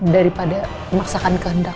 daripada memaksakan kehendak